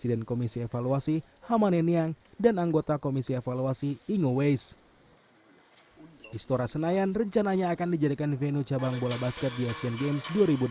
istora senayan rencananya akan dijadikan venue cabang bola basket di asian games dua ribu delapan belas